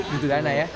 butuh dana ya